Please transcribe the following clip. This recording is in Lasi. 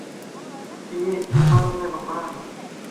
ايي ايمان جا ڪپڙان